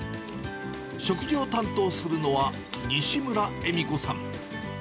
食事を担当するのは、西村絵美子さん。